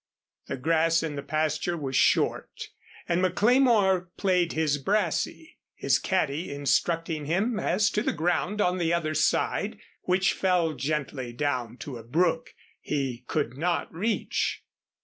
The grass in the pasture was short and McLemore played his brassey his caddy instructing him as to the ground on the other side, which fell gently down to a brook he could not reach.